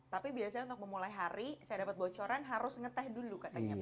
tapi biasanya untuk memulai hari saya dapat bocoran harus ngeteh dulu katanya pak